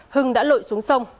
hương đã lội xuống sông